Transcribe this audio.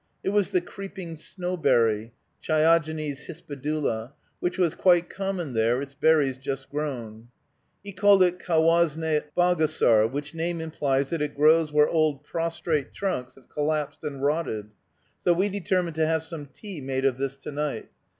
It was the creeping snowberry (Chiogenes hispidula), which was quite common there, its berries just grown. He called it cowosnebagosar, which name implies that it grows where old prostrate trunks have collapsed and rotted. So we determined to have some tea made of this to night.